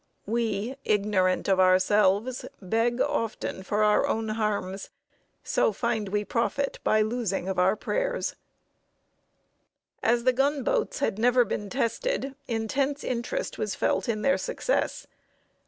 "We, ignorant of ourselves, Beg often for our own harms; so find we profit By losing of our prayers." [Sidenote: EXPEDITION TO FORT HENRY.] As the gunboats had never been tested, intense interest was felt in their success.